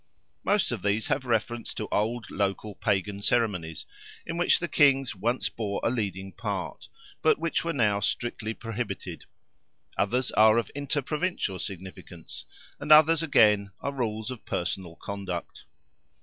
Most of these have reference to old local Pagan ceremonies in which the Kings once bore a leading part, but which were now strictly prohibited; others are of inter Provincial significance, and others, again, are rules of personal conduct.